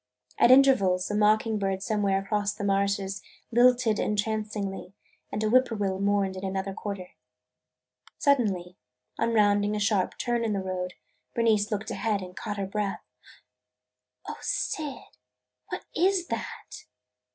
At intervals a mocking bird somewhere across the marshes lilted entrancingly and a whippoorwill mourned in another quarter. Suddenly, on rounding a sharp turn in the road, Bernice looked ahead and caught her breath. "O Syd, what is that?"